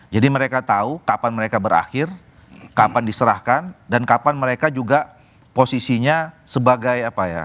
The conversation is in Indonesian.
mereka tahu kapan mereka berakhir kapan diserahkan dan kapan mereka juga posisinya sebagai apa ya